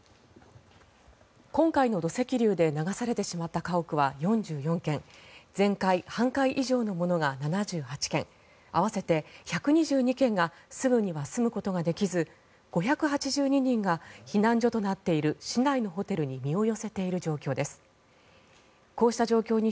今回の土石流で流されてしまった家屋は４４軒全壊・半壊以上のものが７８軒合わせて１２２軒がすぐには住むことができず５８２人が避難所となっている市内のホテルに身を寄せている状況です。